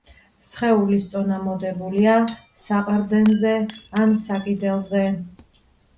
სხეულის წონა მოდებულია საყრდენზე ან საკიდელზე.